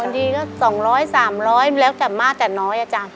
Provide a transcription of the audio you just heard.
บางทีก็สองร้อยสามร้อยแล้วแต่มากแต่น้อยอ่ะจ้ะ